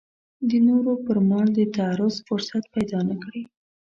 د نورو پر مال د تعرض فرصت پیدا نه کړي.